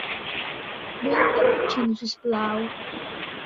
Vull un caputxino, si us plau.